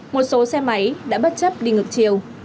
một số xe máy đã bất chấp đi ngược chiều